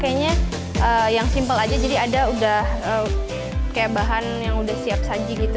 dari awal tapi kali ini saya pakainya yang simple aja jadi ada udah kayak bahan yang udah siap saji gitu